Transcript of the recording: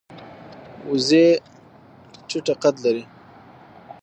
وزې ټیټه قد لري